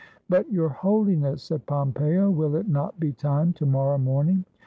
"But, Your HoHness," said Pompeo, "will it not be time to morrow morning?"